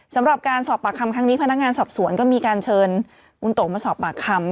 สำหรับการสอบปากคำครั้งนี้พนักงานสอบสวนก็มีการเชิญคุณโตมาสอบปากคำ